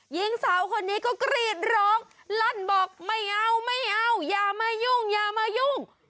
อหญิงสาวคนนี้ก็กรีดหลงรันบอกไม่เอาอย่ามายุ่ง